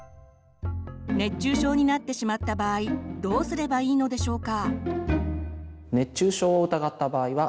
熱中症になってしまった場合どうすればいいのでしょうか？